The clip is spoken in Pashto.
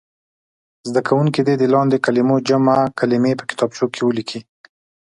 زده کوونکي دې د لاندې کلمو جمع کلمې په کتابچو کې ولیکي.